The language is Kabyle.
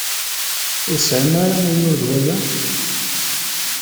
Ur tesɛim ara ugur ed waya?